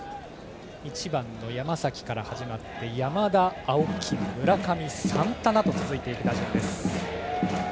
１番、山崎から始まって山田、青木、村上、サンタナと続いていく打順です。